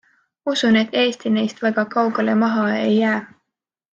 Usun, et Eesti neist väga kaugele maha ei jää.